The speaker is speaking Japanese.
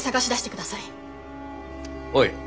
おい。